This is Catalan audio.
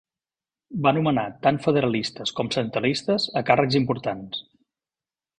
Va nomenar tant federalistes com centralistes a càrrecs importants.